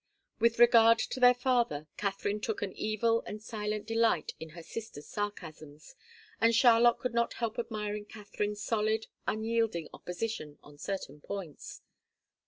With regard to their father, Katharine took an evil and silent delight in her sister's sarcasms, and Charlotte could not help admiring Katharine's solid, unyielding opposition on certain points.